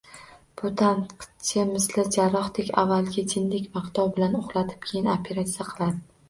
Bu tanqidchi misli jarrohdek: avval jindek maqtov bilan uxlatib, keyin operatsiya qiladi.